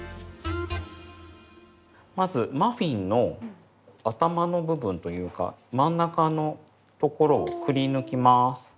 まずマフィンの頭の部分というか真ん中のところをくりぬきます。